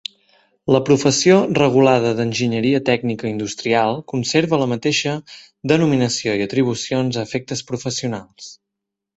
La professió regulada d'Enginyeria Tècnica Industrial conserva la mateixa denominació i atribucions a efectes professionals.